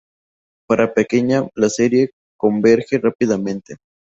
Para pequeña, la serie converge rápidamente.